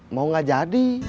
mau gak jadi